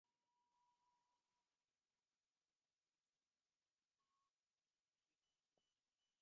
এই সংকোচটুকু না থাকলে সীতা আপন সতী নাম ঘুচিয়ে রাবণকে পুজো করত!